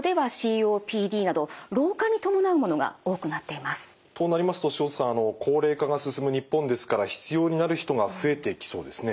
そうですねやっぱりとなりますと塩田さん高齢化が進む日本ですから必要になる人が増えてきそうですね。